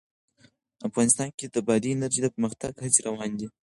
افغانستان کې د بادي انرژي د پرمختګ هڅې روانې دي.